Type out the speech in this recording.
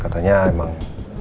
dan randy katanya emang